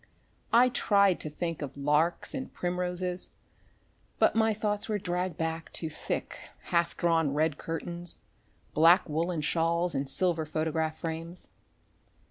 I tried to think of larks and primroses, but my thoughts were dragged back to thick, half drawn red curtains, black woolen shawls and silver photograph frames.